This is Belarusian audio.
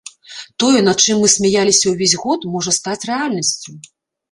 Тое, над чым мы смяяліся ўвесь год, можа стаць рэальнасцю.